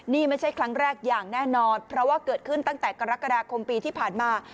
นี่ไม่ใช่ครั้งแรกอย่างแน่นอนเพราะว่าเกิดขึ้นตั้งแต่กรกฎาคมปีที่ผ่านมา